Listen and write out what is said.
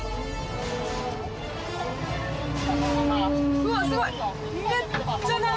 うわすごい。